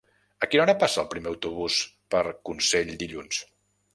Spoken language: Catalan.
A quina hora passa el primer autobús per Consell dilluns?